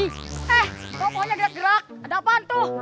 eh kok pohonnya gerak gerak ada apaan tuh